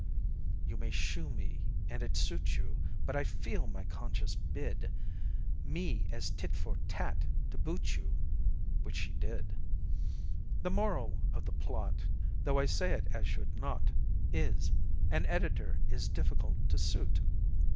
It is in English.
"You may shoo me, and it suit you, But I feel my conscience bid Me, as tit for tat, to boot you!" (Which she did.) The Moral of the plot (Though I say it, as should not!) Is: An editor is difficult to suit.